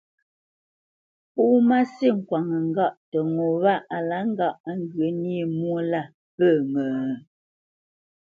Pó má sî kwaŋnə́ ŋgâʼ tə ŋo wâ á lǎ ŋgâʼ á ghyə̂ nyé mwô lâ pə́ ŋə?